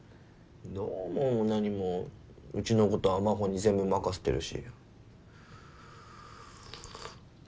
どう思うも何もうちのことは真帆に全部任せてるし。